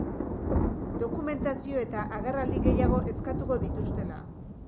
Dokumentazio eta agerraldi gehiago eskatuko dituztela.